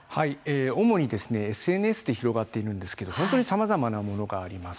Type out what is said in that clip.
主にＳＮＳで広がっているんですけれどもさまざまなものがあります。